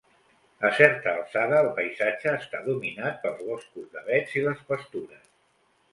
A certa alçada el paisatge està dominat pels boscos d'avets i les pastures.